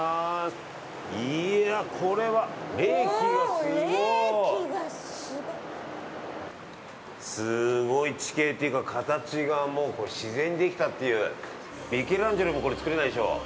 いやこれは冷気がすごいおぉ冷気がすごい地形っていうか形がもう自然にできたっていうミケランジェロもこれ作れないでしょ